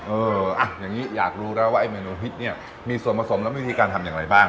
เอออ่ะอย่างนี้อยากรู้แล้วว่าไอเมนูฮิตเนี่ยมีส่วนผสมและวิธีการทำอย่างไรบ้าง